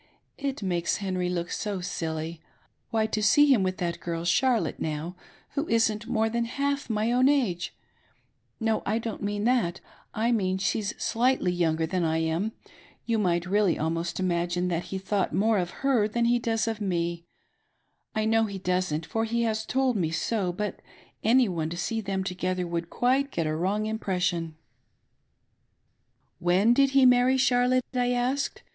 It makes Henry look so silly. Why, to see him with that girl Charlotte,, now, who isn't mofe than half my own age ^No ; I don't m^n that, I mean she's slightly younger than I am — ^you might really almost imagine that he thought more of her than he does of me, I know he doesn't, for he has told me so, but any one to see them together would get quite a wrong im puession." " When did he marry Charlotte V I asked.